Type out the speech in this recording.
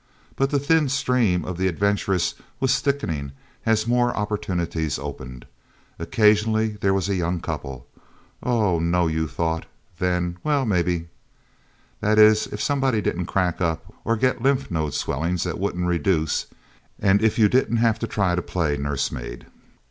But the thin stream of the adventurous was thickening, as more opportunities opened. Occasionally there was a young couple. Oh, no, you thought. Then well, maybe. That is, if somebody didn't crack up, or get lymph node swellings that wouldn't reduce, and if you didn't have to try to play nursemaid.